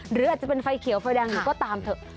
หรือจะเป็นไฟเขียวไฟแดงก็ตามเถอะ